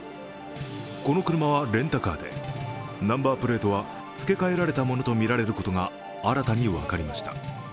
この車はレンタカーでナンバープレートはつけ替えられたものとみられることが新たに分かりました。